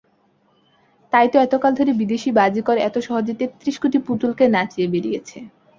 তাই তো এতকাল ধরে বিদেশী বাজিকর এত সহজে তেত্রিশ কোটি পুতুলকে নাচিয়ে বেড়িয়েছে।